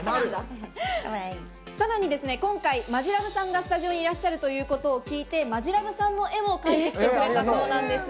さらに今回、マヂラブさんがスタジオにいらっしゃるということを聞いて、マヂラブさんの絵も描いてきてくれたそうなんです。